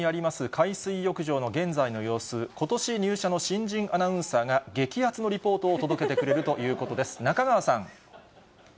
海水浴場の現在の様子、ことし入社の新人アナウンサーが、激あつのリポートを届けてくれるということです。